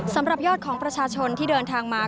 สำหรับยอดของประชาชนที่เดินทางมา